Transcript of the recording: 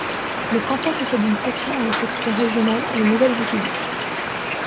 Le canton possède une section dans le quotidien régional La Nouvelle République.